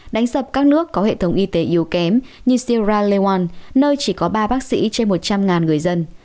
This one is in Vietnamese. đánh sập các nước có hệ thống y tế yếu kém như sierra leone nơi chỉ có ba bác sĩ trên một trăm linh người dân